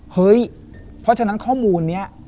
เฮ้ยเพราะฉะนั้นข้อมูลนี้